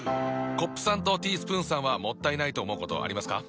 コップさんとティースプーンさんはもったいないと思うことありますか？